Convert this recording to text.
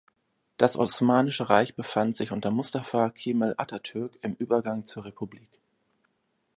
Das Osmanische Reich befand sich unter Mustafa Kemal Atatürk im Übergang zur Republik.